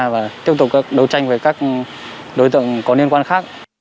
và đấu tranh với các đối tượng có liên quan khác